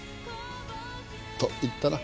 と言ったな。